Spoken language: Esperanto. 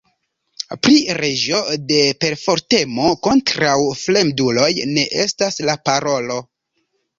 Pri reĝo de perfortemo kontraŭ fremduloj ne estas la parolo.